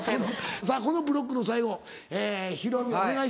さぁこのブロックの最後ヒロミお願いします。